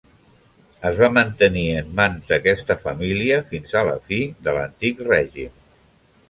Es va mantenir en mans d'aquesta família fins a la fi de l'Antic Règim.